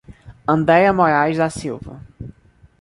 Andreia Moraes da Silva